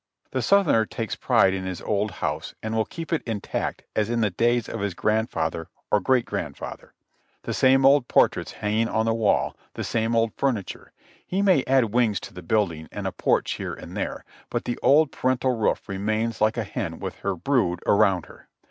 The Southerner takes pride in his old house and will keep it intact as in the days of his grand father or great grandfather ; the same old portraits hanging on the wall, the same old furniture ; he may add wings to the build ing and a porch here and there, but the old parental roof remains like a hen with her brood around her.